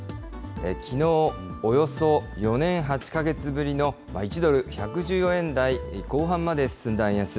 きのう、およそ４年８か月ぶりの１ドル１１４円台後半まで進んだ円安。